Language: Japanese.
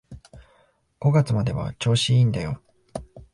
五月までは調子いいんだよ